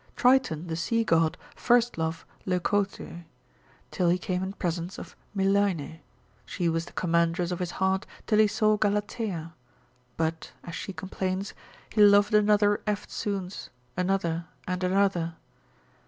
Triton, the sea god, first loved Leucothoe, till he came in presence of Milaene, she was the commandress of his heart, till he saw Galatea: but (as she complains) he loved another eftsoons, another, and another.